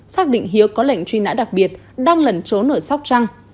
xác định hiếu có lệnh truy nã đặc biệt đang lẩn trốn ở sóc trăng